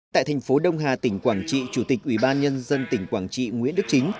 tại thành phố đông hà tỉnh quảng trị chủ tịch ủy ban nhân dân tỉnh quảng trị nguyễn đức chính